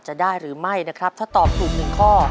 จะได้หรือไม่นะครับถ้าตอบถูก๑ข้อ